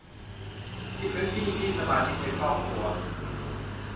มีพื้นที่ที่สมาชิกในครอบครัว